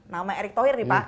nama erick thohir nih pak